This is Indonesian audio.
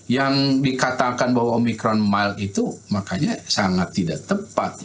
yang dikatakan bahwa omikron mile itu makanya sangat tidak tepat